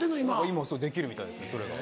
今できるみたいですねそれが。